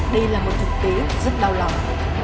đây là một trực tế rất đau lòng